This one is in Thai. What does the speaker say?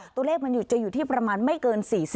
ตัวเลขมันจะอยู่ที่ประมาณไม่เกิน๔๐